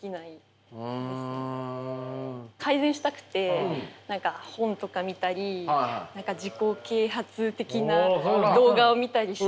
改善したくて何か本とか見たり自己啓発的な動画を見たりして。